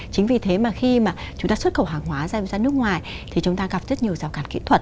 chính vì thế mà khi mà chúng ta xuất khẩu hàng hóa ra nước ngoài thì chúng ta gặp rất nhiều rào càn kỹ thuật